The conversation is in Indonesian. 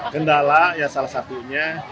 kendala salah satunya